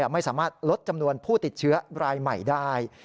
ไม่สามารถลดจำนวนผู้ติดเชื้อรายใหม่ได้